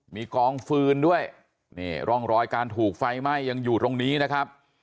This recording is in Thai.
มีกองฟืนด้วยนี่ร่องรอยการถูกไฟไหม้ยังอยู่ตรงนี้นะครับ